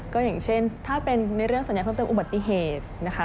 ก็อย่างเช่นถ้าเป็นในเรื่องสัญญาเพิ่มเติมอุบัติเหตุนะคะ